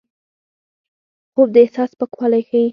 خوب د احساس پاکوالی ښيي